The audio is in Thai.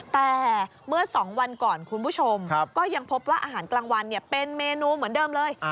แต่เมื่อ๒วันก่อนคุณผู้ชมก็ยังพบว่าอาหารกลางวันเป็นเมนูเหมือนเดิมเลย